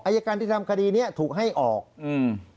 อายการที่ทำคดีเนี้ยถูกให้ออกอืม